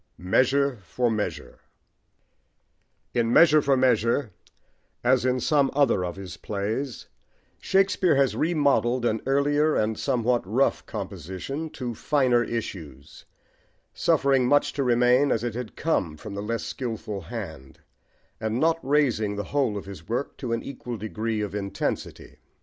"MEASURE FOR MEASURE" IN Measure for Measure, as in some other of his plays, Shakespeare has remodelled an earlier and somewhat rough composition to "finer issues," suffering much to remain as it had come from the less skilful hand, and not raising the whole of his work to an equal degree of intensity.